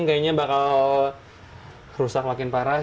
kayaknya bakal rusak makin parah